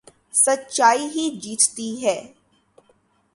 سچائی ہی جیتتی ہے